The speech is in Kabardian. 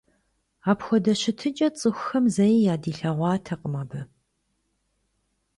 Апхуэдэ щытыкӀэ цӀыхухэм зэи ядилъэгъуатэкъым абы.